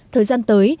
thời gian tối